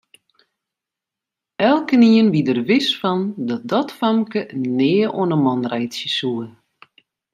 Elkenien wie der wis fan dat dat famke nea oan 'e man reitsje soe.